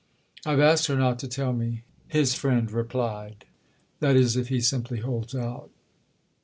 "I've asked her not to tell me," his friend replied—"that is if he simply holds out."